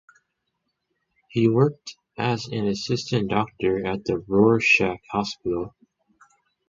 He worked as an assistant doctor at the Rorschach Hospital.